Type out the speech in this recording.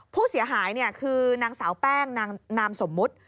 ผู้เสียหายคือนางสาวแป้งนางนามสมมุติ